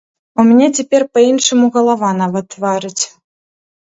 У мяне цяпер па-іншаму галава нават варыць.